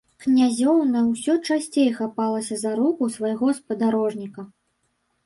Князёўна ўсё часцей хапалася за руку свайго спадарожніка.